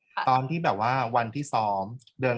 กากตัวทำอะไรบ้างอยู่ตรงนี้คนเดียว